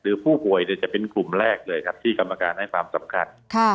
ผู้ป่วยจะเป็นกลุ่มแรกเลยครับที่กรรมการให้ความสำคัญ